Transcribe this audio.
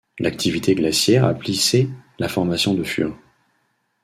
L'activité glaciaire a plissé la formation de Fur.